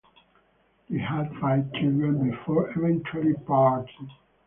They had five children before eventually parting.